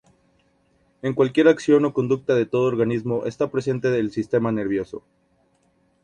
En cualquier acción o conducta de todo organismo está presente el sistema nervioso.